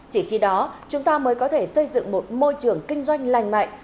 chỉ khi đó chúng ta mới có thể xây dựng một môi trường kinh doanh lành mạnh